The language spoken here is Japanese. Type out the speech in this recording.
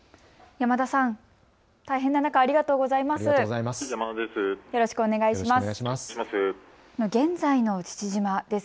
山田さん、大変な中、ありがとうございます。